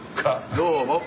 どうも。